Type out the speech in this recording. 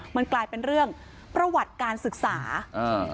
มันกลายเป็นเรื่องประวัติการศึกษาอ่า